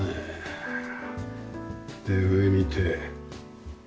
で上見て。